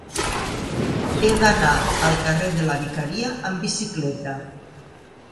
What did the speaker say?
He d'anar al carrer de la Vicaria amb bicicleta.